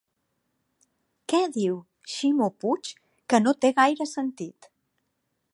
Què diu Ximo Puig que no té gaire sentit?